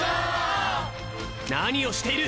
なにをしている！